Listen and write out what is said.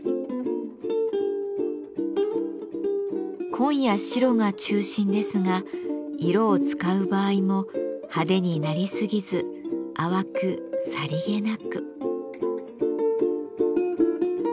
紺や白が中心ですが色を使う場合も派手になりすぎず淡くさりげなく。